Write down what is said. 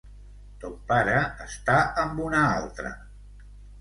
Ton pare està amb una altra.